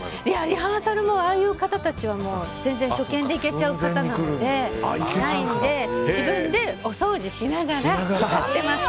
リハーサルもああいう方たちは全然初見でいけちゃう方なので自分でお掃除しながらやってます。